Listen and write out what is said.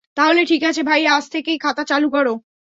তাহলে ঠিক আছে ভাইয়া, আজ থেকেই খাতা চালু করো।